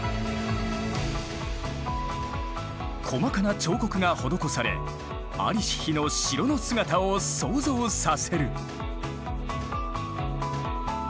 細かな彫刻が施され在りし日の城の姿を想像させる。